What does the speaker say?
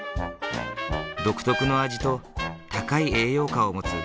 独特の味と高い栄養価を持つ